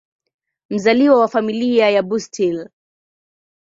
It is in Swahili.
Mzaliwa wa Familia ya Bustill.